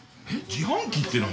自販機って何？